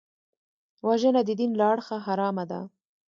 وژنه د دین له اړخه حرامه ده